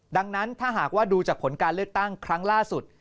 ดังนั้นถ้าหากว่าดูจากผลการเลือกตั้งครั้งล่าสุด